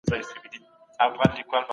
اوس ستاسو وار دی.